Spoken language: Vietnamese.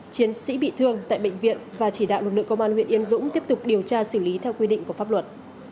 chiến sĩ bị thương tại bệnh viện và chỉ đạo lực lượng công an huyện yên dũng tiếp tục điều tra xử lý theo quy định của pháp luật